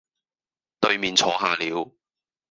對面坐下了，